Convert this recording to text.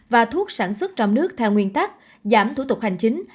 và thuốc sản xuất trong nước theo nguyên tắc giảm thủ tục hành chính